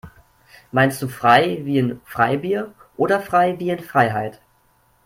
Meinst du frei wie in Freibier oder frei wie in Freiheit?